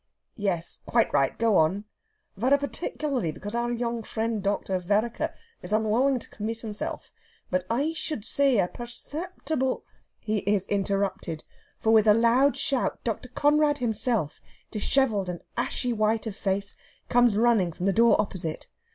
"Yes, quite right go on...." "Vara parteecularly because our young friend Dr. Vereker is unwulling to commeet himself ... but I should say a pairceptible...." He is interrupted. For with a loud shout Dr. Conrad himself, dishevelled and ashy white of face, comes running from the door opposite.